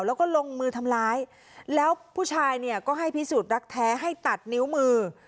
แล้วก็ลงมือทำร้ายแล้วผู้ชายเนี่ยก็ให้พิสูจน์รักแท้ให้ตัดนิ้วมือ